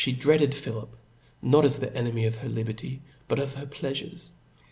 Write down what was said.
31 dreaded Philip, not as the enemy of her liberty, but B o 6 1^ of her pleafurcs*.